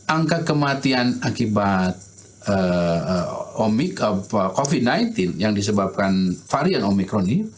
angka kematian akibat covid sembilan belas yang disebabkan varian omikron ini